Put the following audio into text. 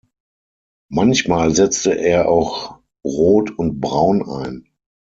Manchmal setzte er auch Rot und Braun ein.